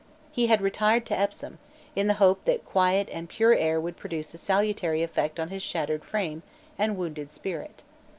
He had retired to Epsom, in the hope that quiet and pure air would produce a salutary effect on his shattered frame and wounded spirit.